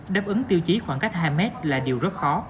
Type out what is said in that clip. đáp ứng tiêu chí khoảng cách hai mét là điều rất khó